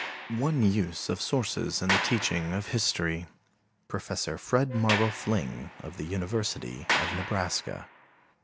One Use of Sources in the Teaching of History PROFESSOR FRED MORROW FLING, OF THE UNIVERSITY OF NEBRASKA.